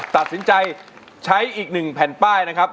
ตัดสินใจใช้อีก๑แผ่นป้ายนะครับ